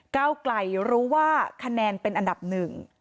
ก้าวไกลรู้ว่าคะแนนเป็นอันดับหนึ่ง